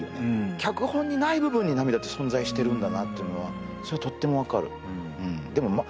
脚本にない部分に涙って存在してるんだなっていうのはそれはとっても分かるうんうんまあ